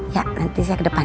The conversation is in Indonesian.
ya nanti saya ke depan